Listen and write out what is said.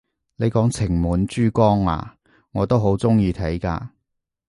你講情滿珠江咓，我都好鍾意睇㗎！